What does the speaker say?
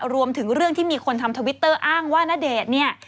รวมถึงเรื่องที่มีคนทำทวิตเตอร์อ้างว่าณเดชน์เนี่ย